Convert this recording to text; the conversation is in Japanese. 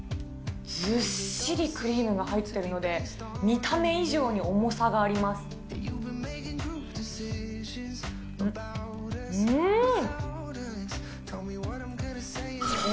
ずっしりクリームが入っているので、見た目以上に重さがあります。